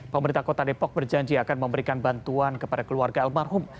pemerintah kota depok berjanji akan memberikan bantuan kepada keluarga almarhum